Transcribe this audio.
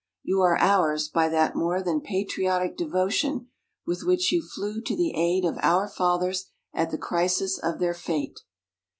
You are ours by that more than patriotic devotion with which you flew to the aid of our Fathers at the crisis of their fate....